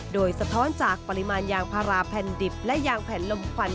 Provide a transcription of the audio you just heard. โดยสะท้อนจากปริมาณยางพาราแผ่นดิบและยางแผ่นลมควัน